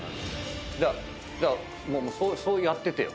じゃあもうそうやっててよ。